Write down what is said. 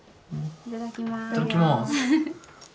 いただきます。